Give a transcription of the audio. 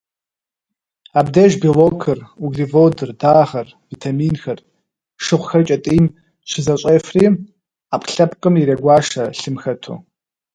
Абдеж белокыр, углеводыр, дагъэр, витаминхэр, шыгъухэр кӏэтӏийм щызэщӏефри, ӏэпкълъэпкъым ирегуашэ, лъым хэту.